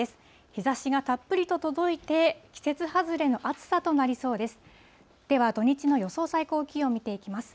日ざしがたっぷりと届いて、季節外れの暑さとなりそうです。